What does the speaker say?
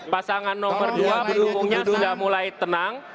pasangan nomor dua pendukungnya sudah mulai tenang